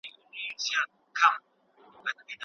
هر هغه لټون چي موندنه ولري څېړنه ده.